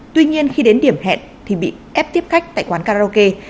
tuy nhiên khi đến điểm hẹn thì bị ép tiếp khách tại quán karaoke